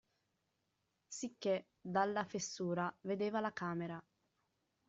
Sicché, dalla fessura, vedeva la camera.